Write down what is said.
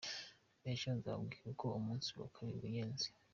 Ejo nzababwira uko umunsi wa kabiri wagenze.